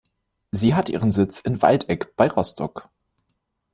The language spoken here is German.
Sie hat ihren Sitz in Waldeck bei Rostock.